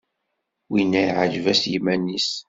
Winna iɛǧeb-as yiman-is!